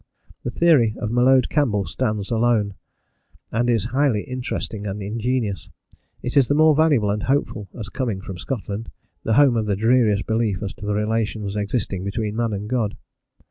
The theory of M'Leod Campbell stands alone, and is highly interesting and ingenious it is the more valuable and hopeful as coming from Scotland, the home of the dreariest belief as to the relations existing between man and God.